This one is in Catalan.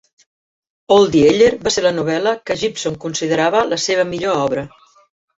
"Old Yeller" va ser la novel·la que Gipson considerava la seva millor obra.